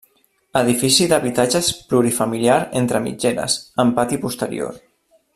Edifici d'habitatges plurifamiliar entre mitgeres, amb pati posterior.